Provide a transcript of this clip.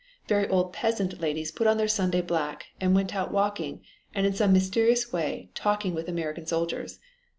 Very old peasant ladies put on their Sunday black, and went out walking, and in some mysterious way talking with American soldiers.